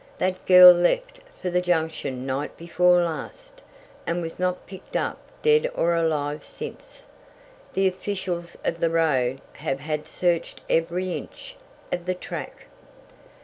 That girl left for the Junction night before last, and was not picked up dead or alive since. The officials of the road have had searched every inch of the track.